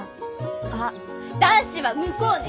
あっ男子は向こうね！